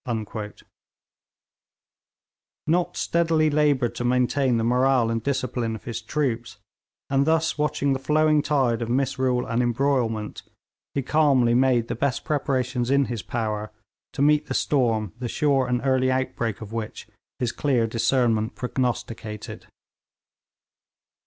Nott steadily laboured to maintain the morale and discipline of his troops, and thus watching the flowing tide of misrule and embroilment, he calmly made the best preparations in his power to meet the storm the sure and early outbreak of which his clear discernment prognosticated.